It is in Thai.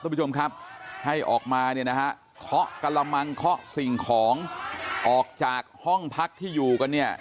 คุณผู้ชมครับให้ออกมาเนี่ยนะฮะเคาะกระมังเคาะสิ่งของออกจากห้องพักที่อยู่กันเนี่ย